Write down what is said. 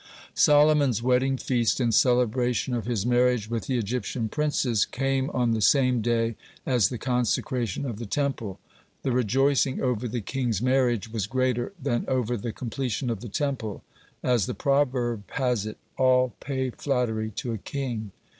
(11) Solomon's wedding feast in celebration of his marriage with the Egyptian princess came on the same day as the consecration of the Temple. (12) The rejoicing over the king's marriage was greater than over the completion of the Temple. As the proverb has it: "All pay flattery to a king."